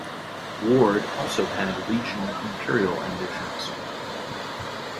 Ward also had regional imperial ambitions.